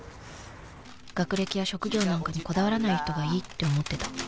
学歴や職業なんかにこだわらない人がいいって思ってた